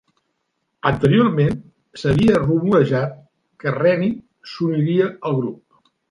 Anteriorment s'havia rumorejat que Reni s'uniria al grup.